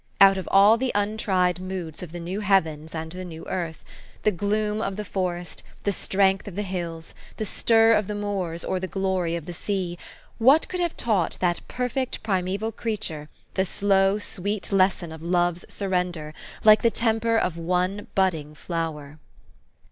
Out of all the untried moods of the new heavens and the new earth, the gloom of the forest, the strength of the hills, the stir of the moors, 102 THE STORY OF AVIS. or the glory of the sea, what could have taught that perfect primeval creature the slow, sweet lesson of love's surrender, like the temper of one budding flower